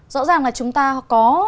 rõ ràng là chúng ta có